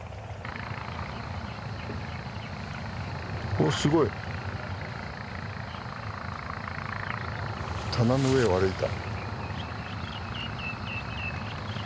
おすごい！棚の上を歩いた。